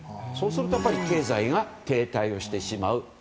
そうすると経済が停滞してしまう。